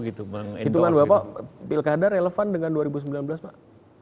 hitungan bapak pilkada relevan dengan dua ribu sembilan belas pak